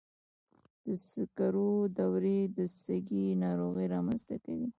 د سکرو دوړې د سږي ناروغۍ رامنځته کوي.